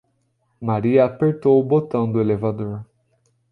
Maria apertou o botão do elevador.